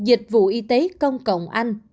dịch vụ y tế công cộng anh